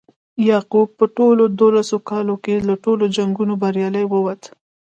یعقوب په لومړیو دولسو کالو کې له ټولو جنګونو بریالی ووت.